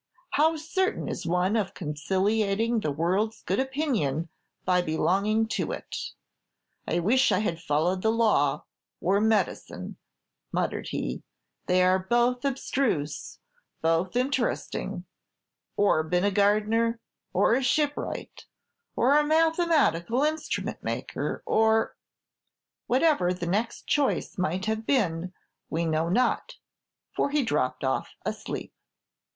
How certain is one of conciliating the world's good opinion by belonging to it! I wish I had followed the law, or medicine," muttered he; "they are both abstruse, both interesting; or been a gardener, or a shipwright, or a mathematical instrument maker, or " Whatever the next choice might have been we know not, for he dropped off asleep.